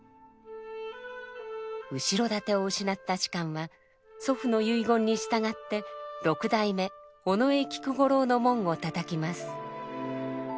後ろ盾を失った芝は祖父の遺言に従って六代目尾上菊五郎の門を叩きます。